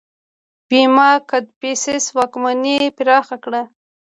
ویما کدفیسس واکمني پراخه کړه